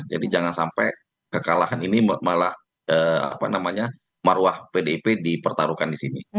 jadi jangan sampai kekalahan ini malah maruah pdip dipertaruhkan di sini